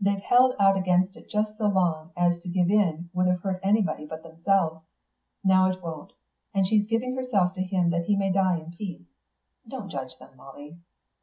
They've held out against it just so long as to give in would have hurt anyone but themselves; now it won't, and she's giving herself to him that he may die in peace. Don't judge them, Molly."